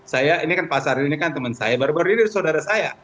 saya ini kan pak azharil teman saya baru baru ini saudara saya